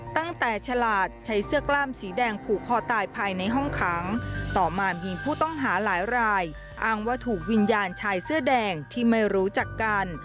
ฉลาดใช้เสื้อกล้ามสีแดงผูกคอตายภายในห้องขังต่อมามีผู้ต้องหาหลายรายอ้างว่าถูกวิญญาณชายเสื้อแดงที่ไม่รู้จักกัน